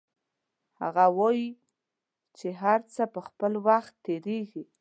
هغه وایي چې هر څه په خپل وخت کیږي